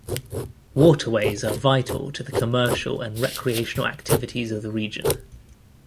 Waterways are vital to the commercial and recreational activities of the region.